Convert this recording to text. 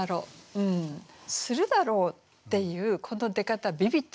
「するだろう」っていうこの出方ビビッドでしょ。